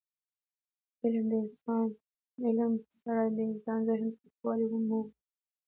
له علم سره د انسان ذهن پوخوالی مومي.